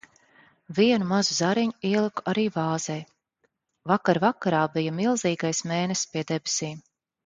Vienu mazu zariņu ieliku arī vāzē. Vakar vakarā bija milzīgais mēness pie debesīm.